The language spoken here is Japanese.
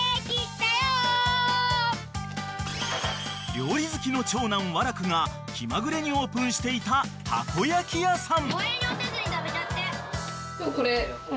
［料理好きの長男和楽が気まぐれにオープンしていたたこ焼き屋さん］